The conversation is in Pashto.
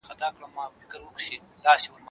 چپس او برګر روغتیا ته زیان لري.